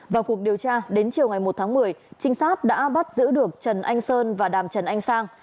vào cuộc điều tra đến chiều ngày một tháng một mươi trinh sát đã bắt giữ được trần anh sơn và đàm trần anh sang